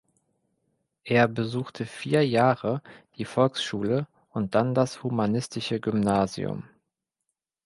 Er besuchte vier Jahre die Volksschule und dann das humanistische Gymnasium.